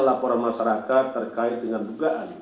laporan masyarakat terkait dengan dugaan